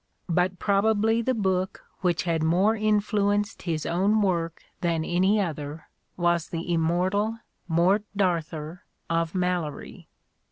But probably the book which had more influenced his own work than any other, was the immortal Morte d* Arthur of Malory.